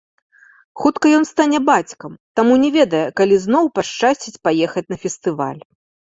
Хутка ён стане бацькам, таму не ведае, калі зноў пашчасціць паехаць на фестываль.